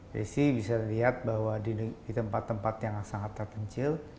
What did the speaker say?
di sini bisa dilihat bahwa di tempat tempat yang sangat terpencil